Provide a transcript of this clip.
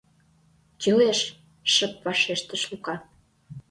— Кӱлеш, — шып вашештыш Лука.